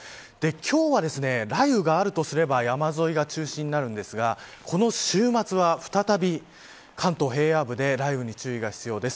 今日は、雷雨があるとすれば山沿いが中心になるんですがこの週末は再び関東平野部で雷雨に注意が必要です。